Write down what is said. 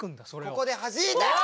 ここではじいて！